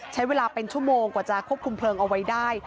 ใช้เวลาเป็นชั่วโมงกว่าจะควบคุมเพลิงเอาไว้ได้